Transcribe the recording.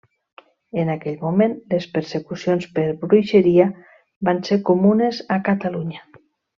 En aquell moment les persecucions per bruixeria van ser comunes a Catalunya.